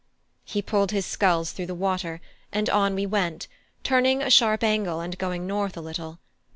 He pulled his sculls through the water, and on we went, turning a sharp angle and going north a little.